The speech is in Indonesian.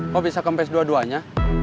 kok bisa kempes dua duanya